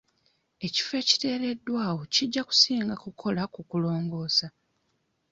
Ekifo ekiteereddwawo kijja kusinga kukola kukulongoosa.